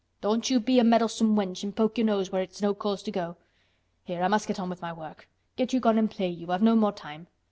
Don't you be a meddlesome wench an' poke your nose where it's no cause to go. Here, I must go on with my work. Get you gone an' play you. I've no more time."